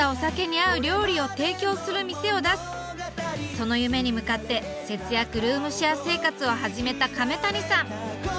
その夢に向かって節約ルームシェア生活を始めた亀谷さん。